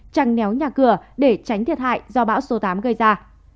trăng néo nhà cửa để tránh thiệt hại do bão số tám gây ra